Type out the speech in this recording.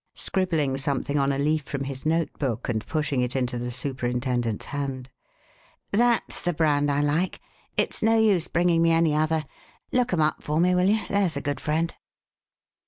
scribbling something on a leaf from his notebook and pushing it into the superintendent's hand "that's the brand I like. It's no use bringing me any other. Look 'em up for me, will you? There's a good friend."